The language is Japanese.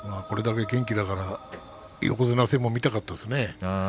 これだけ元気だから横綱戦も見たかったですね。